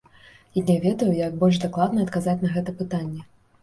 Я не ведаю, як больш дакладна адказаць на гэта пытанне.